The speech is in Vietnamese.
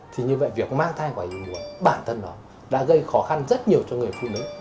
thì như vậy việc mang thai quả bản thân đó đã gây khó khăn rất nhiều cho người phụ nữ